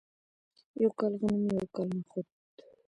یو کال غنم یو کال نخود.